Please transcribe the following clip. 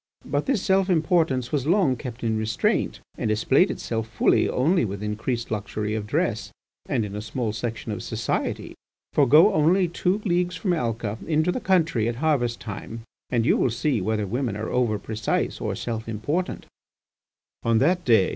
But this self importance was long kept in restraint, and displayed itself fully only with increased luxury of dress and in a small section of society. For go only two leagues from Alca into the country at harvest time, and you will see whether women are over precise or self important." On that day M.